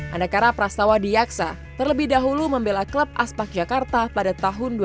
anakara prastawadi yaksa terlebih dahulu membela klub aspak jakarta pada tahun dua ribu